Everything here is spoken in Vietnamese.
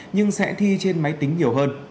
nhưng sẽ thi trên máy tính nhiều hơn